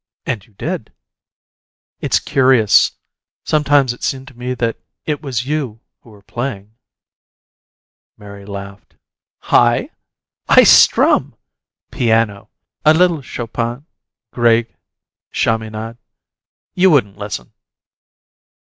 And you did." "It's curious; sometimes it seemed to me that it was you who were playing." Mary laughed. "I? I strum! Piano. A little Chopin Grieg Chaminade. You wouldn't listen!"